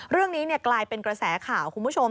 เรื่องนี้กลายเป็นกระแสข่าวคุณผู้ชม